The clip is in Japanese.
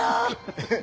えっ？